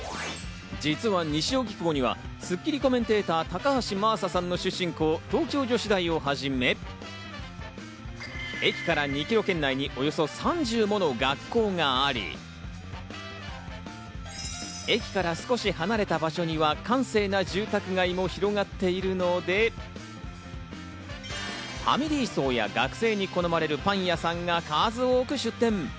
実は西荻窪には『スッキリ』コメンテーター・高橋真麻さんの出身校、東京女子大をはじめ、駅から２キロ圏内におよそ３０もの学校があり、駅から少し離れた場所には閑静な住宅街も広がっているので、ファミリー層や学生に好まれるパン屋さんが数多く出店。